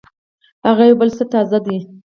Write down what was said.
هغه بل يو څه تازه دی.